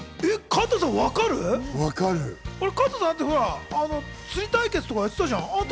加藤さん、釣り対決とかやってたじゃん。